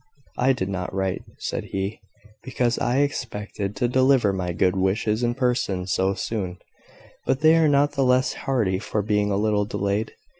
"I did not write," said he, "because I expected to deliver my good wishes in person so soon; but they are not the less hearty for being a little delayed.